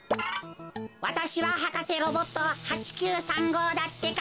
わたしははかせロボット８９３ごうだってか。